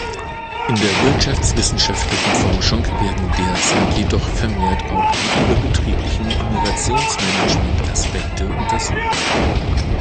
In der wirtschaftswissenschaftlichen Forschung werden derzeit jedoch vermehrt auch die überbetrieblichen Innovationsmanagement-Aspekte untersucht.